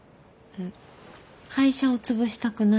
会社を潰したくない。